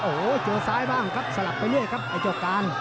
โอ้โหเจอซ้ายบ้างครับสลับไปเรื่อยครับไอ้เจ้าการ